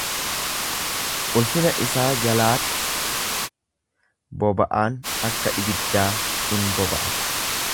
Ulfina isaa jalaatti boba'aan akka ibiddaa in boba'a.